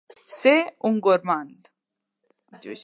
Ser un gormand.